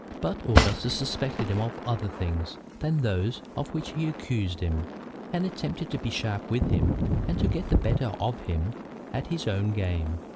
But Augustus suspected him of other things than those of which he accused him, and attempted to be sharp with him and to get the better of him at his own game.